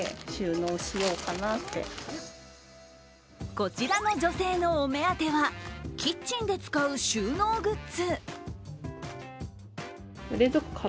こちらの女性のお目当てはキッチンで使う収納グッズ。